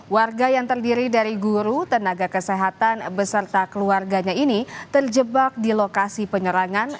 warga yang terdiri dari guru tenaga kesehatan beserta keluarganya ini terjebak di lokasi penyerangan